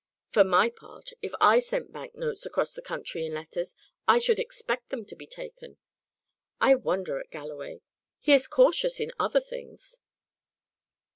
"For my part, if I sent bank notes across the country in letters, I should expect them to be taken. I wonder at Galloway. He is cautious in other things."